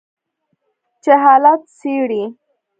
چې حالات څیړي